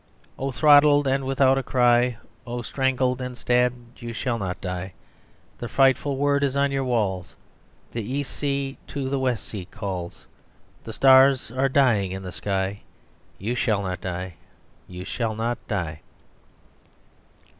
"(O throttled and without a cry, O strangled and stabbed, you shall not die, The frightful word is on your walls, The east sea to the west sea calls, The stars are dying in the sky, You shall not die; you shall not die.)"